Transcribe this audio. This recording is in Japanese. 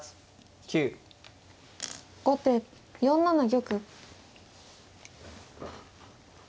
後手４七玉。